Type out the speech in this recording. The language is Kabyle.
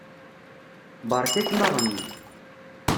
Beṛka-kem aɣenni.